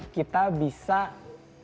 kita bisa memiliki nafas yang cukup panjang